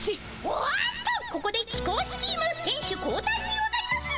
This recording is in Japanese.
おっとここで貴公子チームせん手交代にございます。